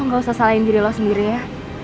gak usah salahin diri lo sendiri ya